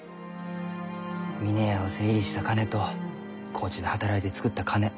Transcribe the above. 峰屋を整理した金と高知で働いて作った金。